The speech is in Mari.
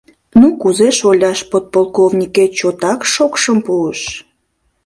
— Ну кузе, шоляш, подполковникет чотак шокшым пуыш?